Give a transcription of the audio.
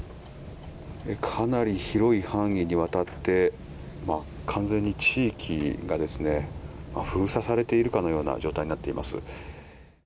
かなり広い範囲にわたって完全に地域が封鎖されているかのような状態になっています。